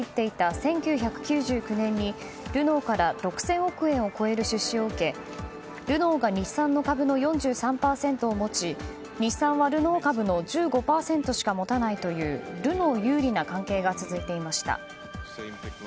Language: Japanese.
１９９９年にルノーから６０００億円を超える出資を受けルノーが日産の株の４３％を持ち日産はルノー株の１５％しか持たないというルノー有利な関係が続いていました。